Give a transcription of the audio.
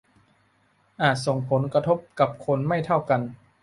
อาจส่งผลกระทบกับคนไม่เท่ากัน